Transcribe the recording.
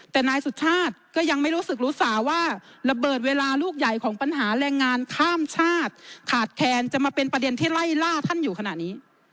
แต่นายสุชาติก็ยังไม่รู้สึกรู้สาว่าระเบิดเวลาลูกใหญ่ของปัญหาแรงงานข้ามชาติขาดแคนจะมาเป็นประเด็นที่ไล่ล่าท่านอยู่ขณะนี้